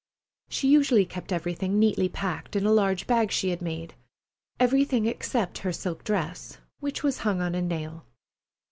She usually kept everything neatly packed in a large bag she had made—everything except her silk dress, which was hung on a nail.